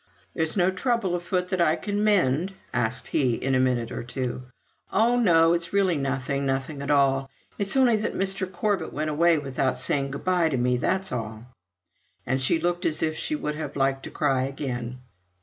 "There's no trouble afoot that I can mend?" asked he, in a minute or two. "Oh, no! It's really nothing nothing at all," said she. "It's only that Mr. Corbet went away without saying good bye to me, that's all." And she looked as if she should have liked to cry again.